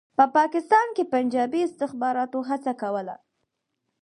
په پاکستان کې پنجابي استخباراتو هڅه کوله.